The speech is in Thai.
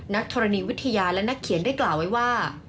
ธรณีวิทยาและนักเขียนได้กล่าวไว้ว่า